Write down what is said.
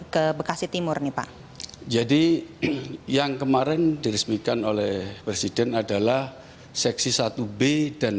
ke bekasi timur nih pak jadi yang kemarin diresmikan oleh presiden adalah seksi satu b dan